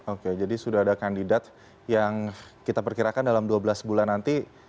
oke jadi sudah ada kandidat yang kita perkirakan dalam dua belas bulan nanti